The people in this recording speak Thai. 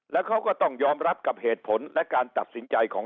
แล้วเขาก็ต้องยอมรับกับเหตุผลและการตัดสินใจของ